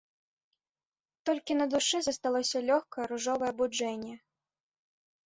Толькі на душы засталося лёгкае, ружовае абуджэнне.